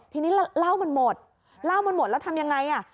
ทีนี้เหล้ามันหมดเหล้ามันหมดแล้วทำยังไงอ่ะ